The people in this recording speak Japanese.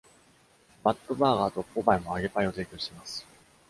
ワットバーガーとポパイも揚げパイを提供しています。